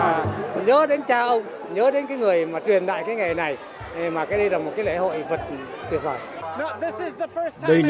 nhớ đến cái người mà truyền đại cái ngày này mà cái đây là một cái lễ hội vật tuyệt vời